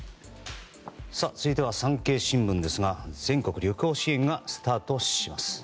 続いては産経新聞ですが全国旅行支援がスタートします。